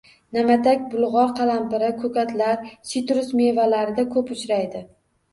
Na’matak, bulg‘or qalampiri, ko‘katlar, sitrus mevalarida ko‘p uchraydi.